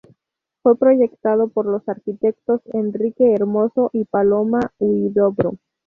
Fue proyectado por los arquitectos Enrique Hermoso y Paloma Huidobro.